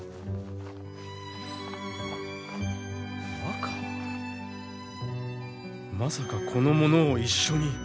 若まさかこの者を一緒に。